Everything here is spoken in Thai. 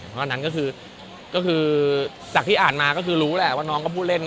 เพราะอันนั้นก็คือจากที่อ่านมาก็คือรู้แหละว่าน้องก็พูดเล่น